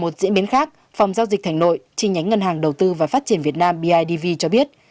trên nhánh ngân hàng đầu tư và phát triển việt nam bidv cho biết